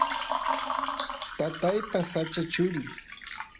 tataypa sacha churi